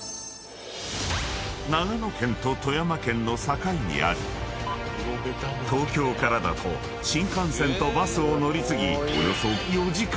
［長野県と富山県の境にあり東京からだと新幹線とバスを乗り継ぎ］